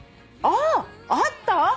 ああった？